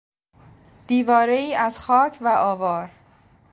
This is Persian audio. دیوارهای از خاک و آوار